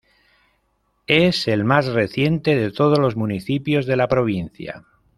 Es el más reciente de todos los municipios de la provincia.